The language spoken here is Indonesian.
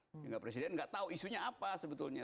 sehingga presiden nggak tahu isunya apa sebetulnya